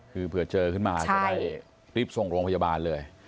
คือเผื่อเจอขึ้นมาจะได้รีบส่งโรงพยาบาลเลย